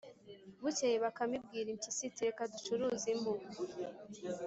Bukeye Bakame ibwira impyisi iti “Reka ducuruze impu